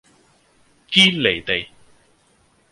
堅離地